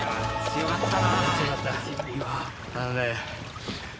強かった。